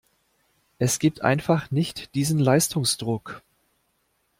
Es gibt einfach nicht diesen Leistungsdruck.